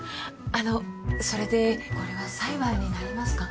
あのそれでこれは裁判になりますか？